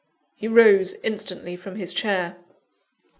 He rose instantly from his chair.